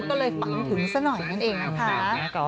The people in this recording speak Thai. ก็เลยฟังถึงสักหน่อยนั่นเองค่ะ